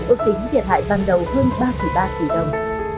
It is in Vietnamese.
ước tính thiệt hại ban đầu hơn ba ba tỷ đồng